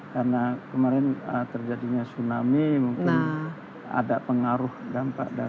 karena kemarin terjadinya tsunami mungkin ada pengaruh dampak dari